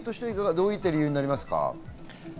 どういった理由になりますか？